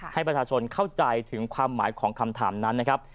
ให้ประชาชนเข้าใจถึงความหมายของคำถามนั้นนะครับ